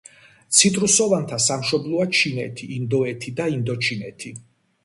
ციტრუსოვანთა სამშობლოა ჩინეთი, ინდოეთი და ინდოჩინეთი.